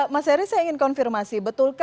mas eri saya ingin konfirmasi